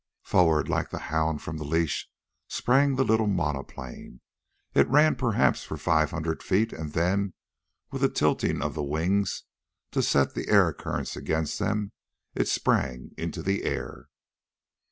Forward, like a hound from the leash, sprang the little monoplane. It ran perhaps for five hundred feet, and then, with a tilting of the wings, to set the air currents against them, it sprang into the air.